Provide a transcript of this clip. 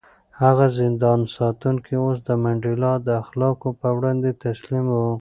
هغه زندان ساتونکی اوس د منډېلا د اخلاقو په وړاندې تسلیم و.